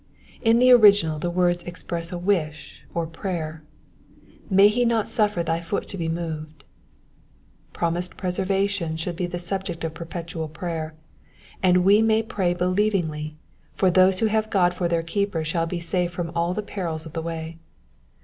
In the original the words express a wish or prayer, — May he not suffer thy foot to be moved." Promised preservation snould be the subject of perpetual prayer ; and we may pray believingly ; for those who have God for their keeper shall be safe from all the perils of the way.